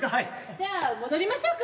じゃあ戻りましょうか。